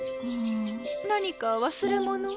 何か忘れ物は？